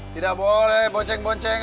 tidak boleh bonceng bonceng